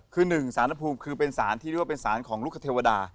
คือหนึ่งสารภูมิคือเป็นสารที่เรียกว่าเป็นสารของลูกคเทวดา